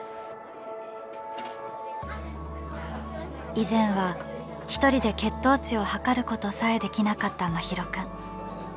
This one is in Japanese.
以前は１人で血糖値を測ることさえできなかった真浩くん。